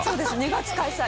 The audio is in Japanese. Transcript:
２月開催。